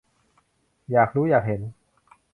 อยากรู้อยากเห็น